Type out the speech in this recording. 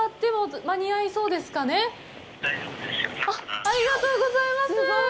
ありがとうございます。